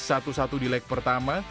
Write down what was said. satu satu di leg pertama